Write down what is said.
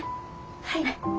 はい。